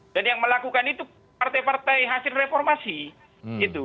dan yang melakukan itu partai partai hasil reformasi gitu